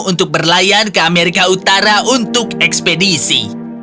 untuk berlayar ke amerika utara untuk ekspedisi